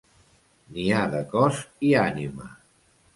N'hi ha de cos i ànima.